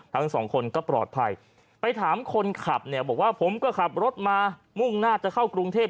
ทั้งสองคนก็ปลอดภัยไปถามคนขับเนี่ยบอกว่าผมก็ขับรถมามุ่งหน้าจะเข้ากรุงเทพ